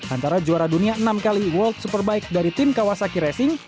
antara juara dunia enam kali world superbike dari tim kawasaki racing